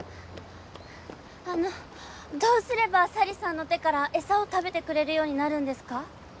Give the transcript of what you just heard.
あのどうすれば咲里さんの手から餌を食べてくれるようになるんですか？